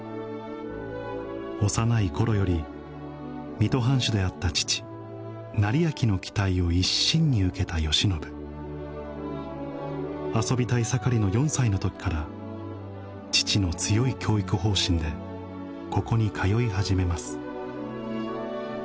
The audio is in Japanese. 幼い頃より水戸藩主であった父斉昭の期待を一身に受けた慶喜遊びたい盛りの４歳の時から父の強い教育方針でここに通い始めます